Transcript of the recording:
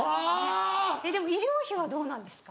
でも医療費はどうなんですか？